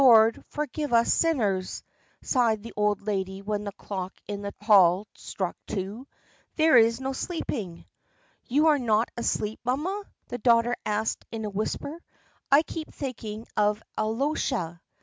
... Lord, forgive us sinners!" sighed the old lady when the clock in the hall struck two. "There is no sleeping." "You are not asleep, mamma?" the daughter asked in a whisper. "I keep thinking of Alyosha.